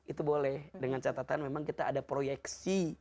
itu boleh dengan catatan memang kita ada proyeksi